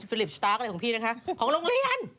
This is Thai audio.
ลิปสตาร์คอะไรของพี่นะคะของโรงเรียน